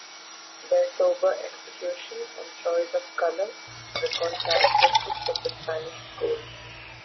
Their sober execution and choice of colour recall characteristics of the Spanish school.